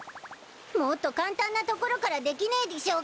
もっと簡単なところからできねいでぃしょうか？